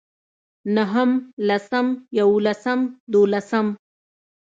نهم لسم يولسم دولسم